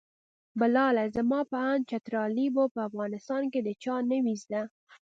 بلاله زما په اند چترالي به په افغانستان کې د چا نه وي زده.